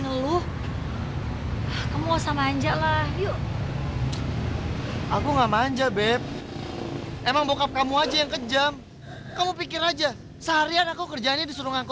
lo kamu mau kemana sih eh lo kemana